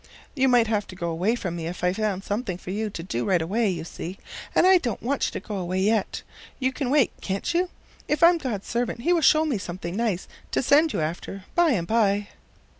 You might have to go away from me if I found something for you to do right away, you see, and I don't want you to go away yet. You can wait, can't you? If I'm God's servant he will show me something nice to send you after by and by."